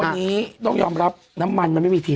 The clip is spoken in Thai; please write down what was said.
อันนี้ต้องยอมรับน้ำมันมันไม่มีที